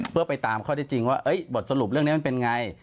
เพื่อไปตามข้อที่จริงว่าบทสรุปเรื่องนี้มันเป็นไง